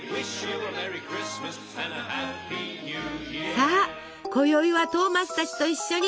さあこよいはトーマスたちと一緒に！